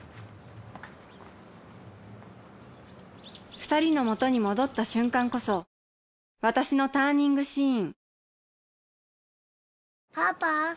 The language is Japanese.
２人の元に戻った瞬間こそ私のターニングシーン